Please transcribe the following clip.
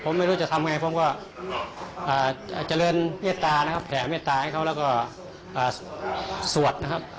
ผมไม่รู้จะทำไงผมก็เจริญเมตตานะครับแผ่เมตตาให้เขาแล้วก็สวดนะครับ